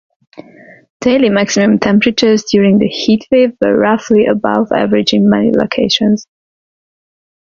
Daily maximum temperatures during the heat wave were roughly above average in many locations.